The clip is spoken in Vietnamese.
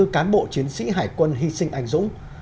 sáu mươi bốn cán bộ chiến sĩ hải quân hy sinh anh dũng